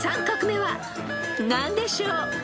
３画目は何でしょう］